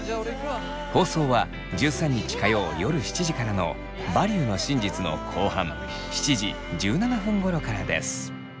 放送は１３日火曜夜７時からの「バリューの真実」の後半７時１７分ごろからです。